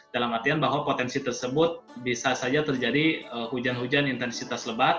dalam artian bahwa potensi tersebut bisa saja terjadi hujan hujan intensitas lebat